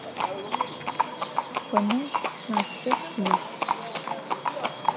Konım natrıf yilh.